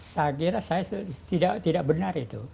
saya kira saya tidak benar itu